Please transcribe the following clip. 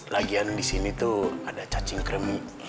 lagian di sini tuh ada cacing kremik